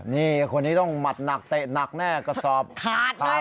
นี่คนนี้ต้องหมัดหนักเตะหนักแน่กระสอบขาด